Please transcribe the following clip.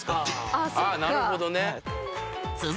ああなるほどね。